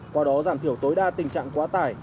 qua đó giảm thiểu tối đa tình trạng quá tải